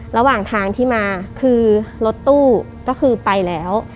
ระหว่างทางที่มาคือรถตู้ก็คือไปแล้ว